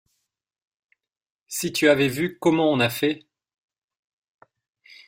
si tu avais vu comment on a fait.